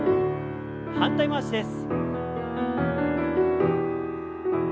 反対回しです。